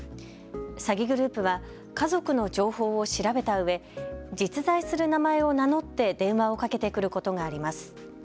詐欺グループは家族の情報を調べたうえ実在する名前を名乗って電話をかけてくることがあります。